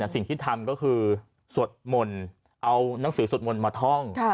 สิ่งที่ทำก็คือสวดมนต์เอานังสือสวดมนต์มาท่อง